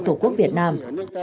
tổ quốc việt nam